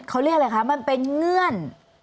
เขาเรียกอะไรคะมันเป็นเงื่อน